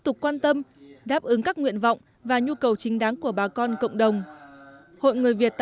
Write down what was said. tục quan tâm đáp ứng các nguyện vọng và nhu cầu chính đáng của bà con cộng đồng hội người việt